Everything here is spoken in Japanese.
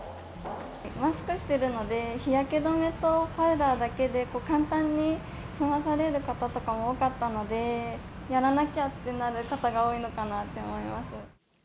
マスクしてるので、日焼け止めとパウダーだけで簡単に済まされる方とかも多かったので、やらなきゃってなる方が多いのかなって思います。